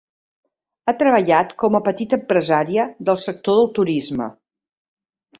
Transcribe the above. Ha treballat com a petita empresària del sector del turisme.